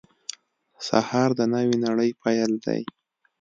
سهار د نوې نړۍ پیل دی.